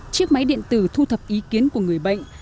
chiếc máy điện tử thu thập ý kiến của người bệnh